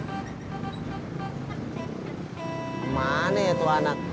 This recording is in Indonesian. kemana ya tua anak